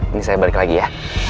ini saya balik lagi ya